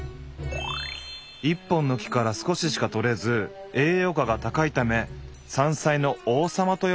「１本の木から少ししか採れず栄養価が高いため『山菜の王様』と呼ばれる」。